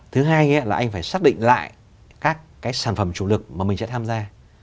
thứ hai là anh phải xác định lại các cái sản phẩm chủ lực mà mình sẽ tham gia